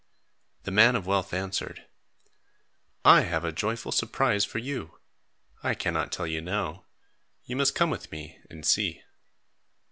The man of wealth answered, "I have a joyful surprise for you. I cannot tell you now. You must come with me and see."